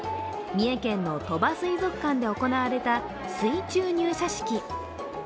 三重県の鳥羽水族館で行われた水中入社式。